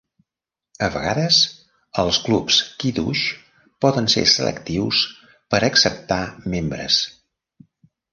A vegades els Clubs Kiddush poden ser selectius per acceptar membres.